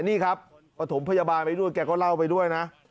นี่ครับปฐมพยาบาลไปด้วยแกก็เล่าไปด้วยนะ